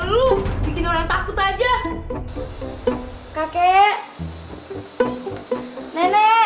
aduh bikin orang takut aja kakek nenek